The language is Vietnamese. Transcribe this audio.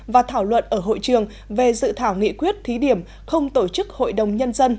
và thảo luận ở hội trường về dự thảo nghị quyết thí điểm không tổ chức hội đồng nhân dân